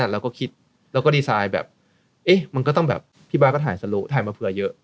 เราก็คิดแล้วก็ดีไซน์แบบเอ๊ะมันก็ต้องแบบพี่บาทก็ถ่ายสลุถ่ายมาเผื่อเยอะ